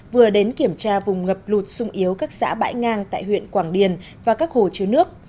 vừa đến kiểm tra vùng ngập lụt sung yếu các xã bãi ngang tại huyện quảng điền và các hồ chứa nước